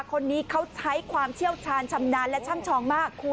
คนนี้เขาใช้ความเชี่ยวชาญชำนาญและช่ำชองมากคุณ